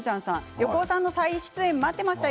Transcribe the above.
横尾さんの再出演待っていましたよ。